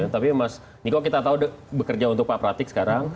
tapi mas niko kita tahu bekerja untuk pak pratik sekarang